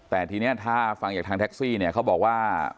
แต่ทีนี้ถ้าฟังจากทางแท็กซี่เนี่ยเขาบอกว่า